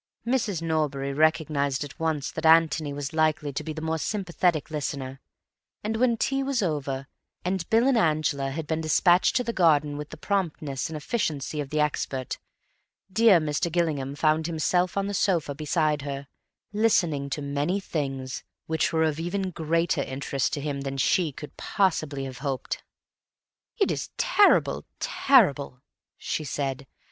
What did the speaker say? Mrs. Norbury recognized at once that Antony was likely to be the more sympathetic listener; and when tea was over, and Bill and Angela had been dispatched to the garden with the promptness and efficiency of the expert, dear Mr. Gillingham found himself on the sofa beside her, listening to many things which were of even greater interest to him than she could possibly have hoped. "It is terrible, terrible," she said.